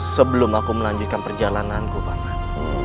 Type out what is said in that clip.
sebelum aku melanjutkan perjalananku banget